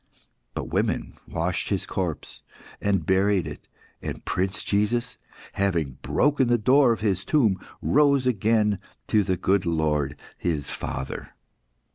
But women washed His corpse, and buried it; and Prince Jesus, having broken the door of His tomb, rose again to the good Lord, His Father.